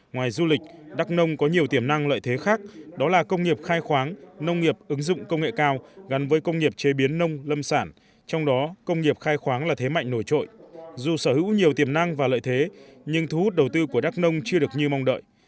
ngoài du lịch đắk nông có nhiều tiềm năng lợi thế khác đó là công nghiệp khai khoáng nông nghiệp ứng dụng công nghệ cao gắn với công nghiệp chế biến nông lâm sản trong đó công nghiệp khai khoáng là thế mạnh nổi trội dù sở hữu nhiều tiềm năng và lợi thế nhưng thu hút đầu tư của đắk nông chưa được như mong đợi